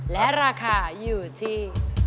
และราคาอยู่ที่